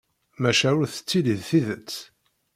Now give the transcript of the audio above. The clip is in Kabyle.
Maca ur tettili d tidet